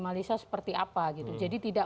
malaysia seperti apa gitu jadi tidak